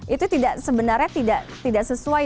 itu sebenarnya tidak sesuai